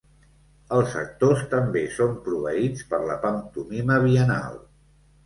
Els actors també son proveïts per la pantomina biennal.